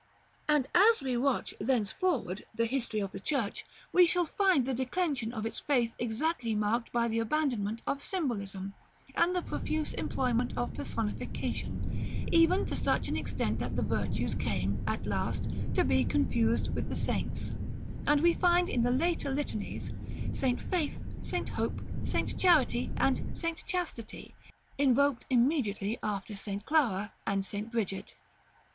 And as we watch, thenceforward, the history of the Church, we shall find the declension of its faith exactly marked by the abandonment of symbolism, and the profuse employment of personification, even to such an extent that the virtues came, at last, to be confused with the saints; and we find in the later Litanies, St. Faith, St. Hope, St. Charity, and St. Chastity, invoked immediately after St. Clara and St. Bridget.